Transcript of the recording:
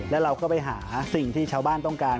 แล้วเราก็ไปหาสิ่งที่ชาวบ้านต้องการ